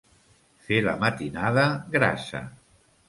Fer la matinada grassa.